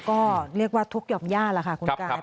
ก็เรียกว่าทุกข์เกี่ยวกับยาแหละค่ะ